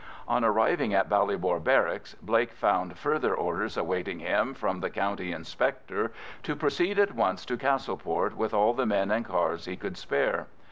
On arriving at Ballybor Barracks Blake found further orders awaiting him from the County Inspector to proceed at once to Castleport with all the men and cars he could spare.